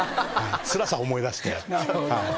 つらさを思い出して。